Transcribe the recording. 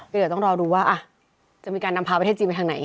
เดี๋ยวต้องรอดูว่าจะมีการนำพาประเทศจีนไปทางไหน